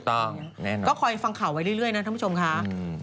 ต้องแน่นอนก็คอยฟังข่าวไว้เรื่อยนะท่านผู้ชมค่ะ